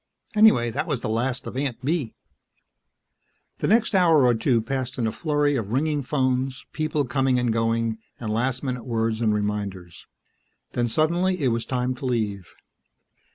Anyway, that was the last of Aunt Bee! The next hour or two passed in a flurry of ringing phones, people coming and going, and last minute words and reminders. Then suddenly it was time to leave.